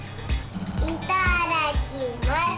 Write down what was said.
いただきます。